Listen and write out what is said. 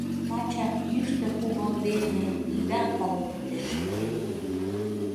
Лачак йӱштӧ кумыл дене Ида кылмыкте шӱмем.